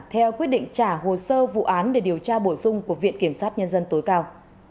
theo quyết định trả hồ sơ vụ án để điều tra bổ sung của viện kiểm sát nhân dân tối cao